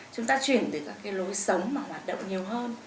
chúng ta chuyển từ các cái lối sống mà hoạt động nhiều hơn